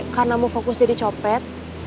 karena mau fokus jadi copet